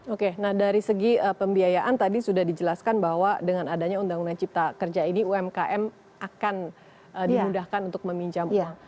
oke nah dari segi pembiayaan tadi sudah dijelaskan bahwa dengan adanya undang undang cipta kerja ini umkm akan dimudahkan untuk meminjam uang